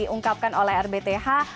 diungkapkan oleh rbth